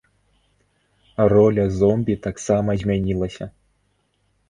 Роля зомбі таксама змянілася.